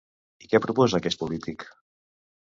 I què proposa aquest polític?